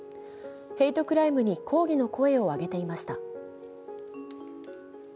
ヘイトクライムに抗議の声を上げていました。